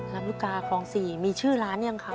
ลำลูกกาคลอง๔มีชื่อร้านยังคะ